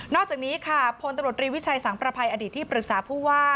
อกจากนี้ค่ะพลตำรวจรีวิชัยสังประภัยอดีตที่ปรึกษาผู้ว่า